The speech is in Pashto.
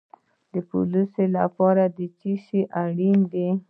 د پولیس لپاره څه شی اړین دی؟